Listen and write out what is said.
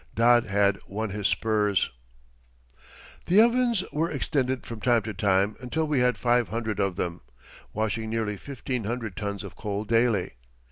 "Dod" had won his spurs. [Illustration: GEORGE LAUDER] The ovens were extended from time to time until we had five hundred of them, washing nearly fifteen hundred tons of coal daily.